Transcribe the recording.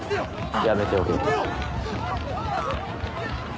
やめておけ。